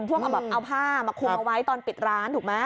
พวกเอาแบบเอาผ้ามาคุมเอาไว้ตอนปิดร้านถูกไหม